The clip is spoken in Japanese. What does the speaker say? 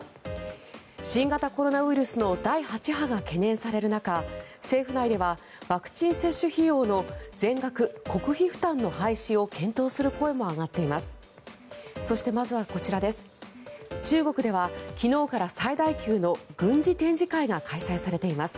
新型コロナウイルスの第８波が懸念される中政府内ではワクチン接種費用の全額国費負担の廃止を検討する声も上がっています。